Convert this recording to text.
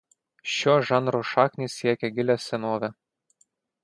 Šio žanro šaknys siekia gilią senovę.